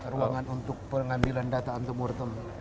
ruangan untuk pengambilan data antemortem